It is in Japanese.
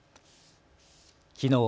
きのう